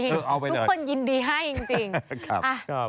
ทุกคนยินดีให้จริง